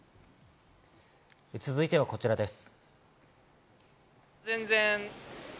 続いてはこちらです。